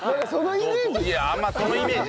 なんかそのイメージ。